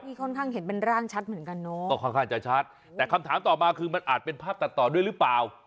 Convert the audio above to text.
นี่ค่อนข้างเห็นเป็นร่างชัดเหมือนกันเนอะก็ค่อนข้างจะชัดแต่คำถามต่อมาคือมันอาจเป็นภาพตัดต่อด้วยหรือเปล่า